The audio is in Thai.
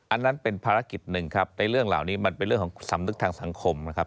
อันนั้นเป็นภารกิจหนึ่งครับในเรื่องเหล่านี้มันเป็นเรื่องของสำนึกทางสังคมนะครับ